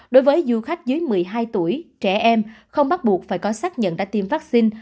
đối với du khách dưới một mươi hai tuổi trẻ em không bắt buộc phải có xác nhận đã tiêm vaccine